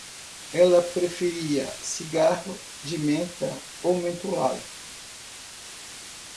Ela preferia cigarro de menta ou mentolado